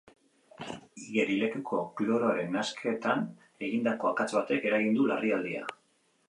Igerilekuko kloroaren nahasketan egindako akats batek eragin du larrialdia.